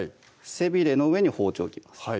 背びれの上に包丁置きます